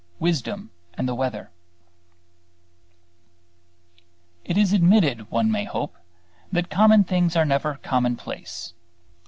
WISDOM AND THE WEATHER It is admitted, one may hope, that common things are never commonplace.